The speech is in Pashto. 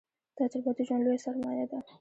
تجربه د ژوند لويه سرمايه ده